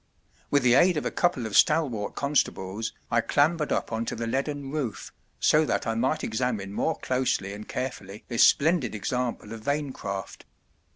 With the aid of a couple of stalwart constables I clambered up on to the leaden roof, so that I might examine more closely and carefully this splendid example of vane craft.